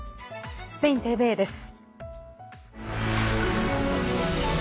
スペインＴＶＥです。